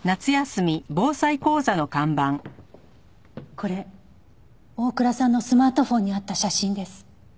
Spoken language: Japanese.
これ大倉さんのスマートフォンにあった写真です。